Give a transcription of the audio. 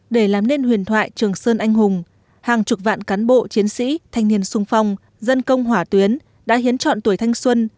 để làm nên huyền thoại trường sơn anh hùng hàng chục vạn cán bộ chiến sĩ thanh niên sung phong dân công hỏa tuyến đã hiến chọn tuổi thanh xuân